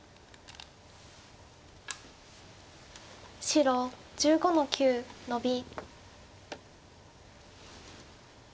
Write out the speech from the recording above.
白１５の九ノビ。